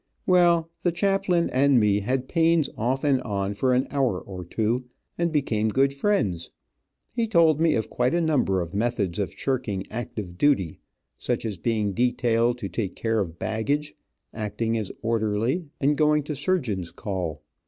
Well, the chaplain and me had pains off and on, for an hour or two, and became good friends. He told me of quite a number of methods of shirking active duty, such as being detailed to take care of baggage, acting as orderly, and going to surgeon's call.